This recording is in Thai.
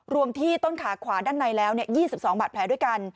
ที่ต้นขาขวาด้านในแล้ว๒๒บาดแผลด้วยกัน